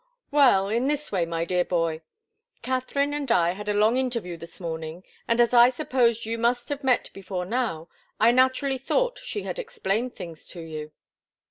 "Well, in this way, my dear boy. Katharine and I had a long interview this morning, and as I supposed you must have met before now, I naturally thought she had explained things to you."